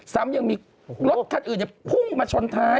ซ้ำยังมีรถคันอื่นพุ่งมาชนท้าย